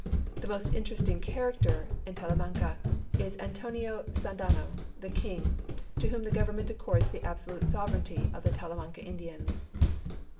The most interestino character in Talamanca is Antonio Sandano, the king, to whom the government accords the absolute sovereignty of the Talamanca Indians.